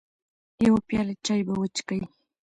يوه پياله چاى به وچکې .